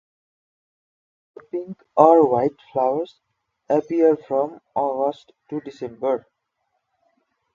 The pink or white flowers appear from August to December.